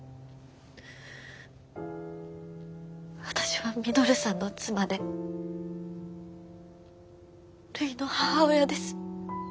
私は稔さんの妻でるいの母親です。